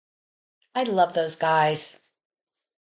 I love those guys.